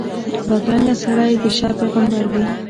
بدرنګه سړی د شر پېغمبر وي